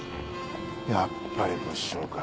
やっぱり物証か。